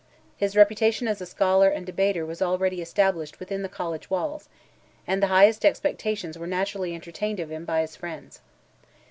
His reputation as a scholar and debater was already established within the college walls, and the highest expectations were naturally entertained of him, by his friends.